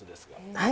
はい。